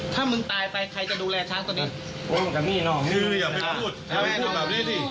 ถ้ามึงตายไปใครจะดูแลช้างตอนนี้